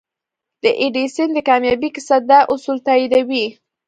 د ايډېسن د کاميابۍ کيسه دا اصول تاييدوي.